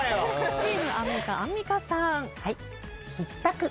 チームアンミカアンミカさん。